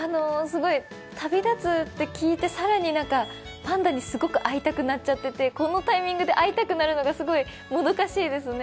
旅立つって聞いて、更にパンダにすごく会いたくなっちゃっててこのタイミングで会いたくなるのがすごいもどかしいですね。